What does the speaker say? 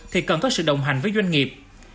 thì cần có sự đồng hành với doanh nghiệp